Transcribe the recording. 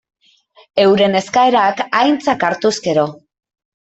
Euren eskaerak aintzat hartuz gero.